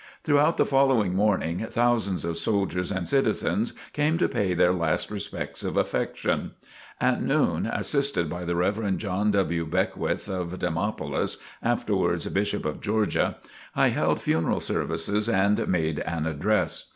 Throughout the following morning, thousands of soldiers and citizens came to pay their last tribute of affection. At noon, assisted by the Rev. John W. Beckwith, of Demopolis, (afterwards Bishop of Georgia), I held funeral services and made an address.